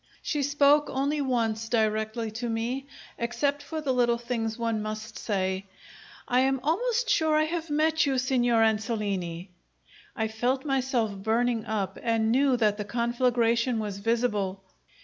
She spoke only once directly to me, except for the little things one must say. "I am almost sure I have met you, Signor Ansolini." I felt myself burning up and knew that the conflagration was visible.